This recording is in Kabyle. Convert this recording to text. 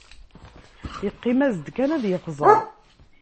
Yeqqim-as-d kan ad yexẓer.